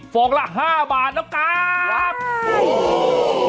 ฟองละ๕บาทแล้วครับ